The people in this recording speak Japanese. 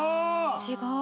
違う？